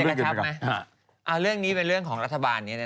เอาเรื่องนี้เป็นเรื่องของรัฐบาล